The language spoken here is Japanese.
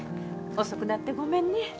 遅くなってごめんね。